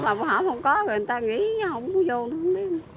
mà bố họ không có rồi người ta nghỉ không có vô nữa